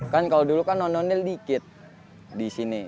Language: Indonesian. kan kalau dulu kan ondel ondel dikit di sini